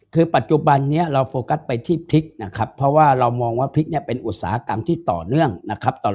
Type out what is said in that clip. คือปัจจุบันนี้เราโฟกัสไปที่พริกนะครับเพราะว่าเรามองว่าพริกเนี่ยเป็นอุตสาหกรรมที่ต่อเนื่องนะครับ